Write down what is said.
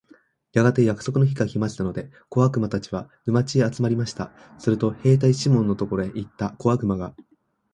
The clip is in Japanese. やがて約束の日が来ましたので、小悪魔たちは、沼地へ集まりました。すると兵隊シモンのところへ行った小悪魔が、